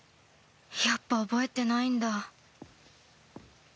やっぱ覚えてないんだ